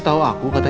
saga mbak teh